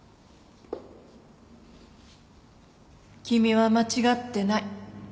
君は間違ってない。